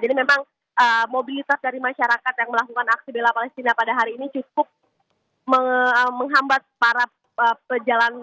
jadi memang mobilitas dari masyarakat yang melakukan aksi bela palestina pada hari ini cukup menghambat para pejalan